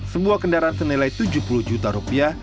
sebuah kendaraan senilai rp tujuh puluh juta